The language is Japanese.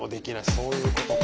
そういうことか。